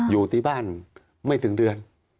อยู่ที่บ้านไม่ถึงเดือน